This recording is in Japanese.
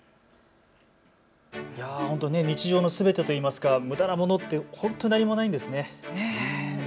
日常のすべてといいますかむだなものって本当何もないんですね。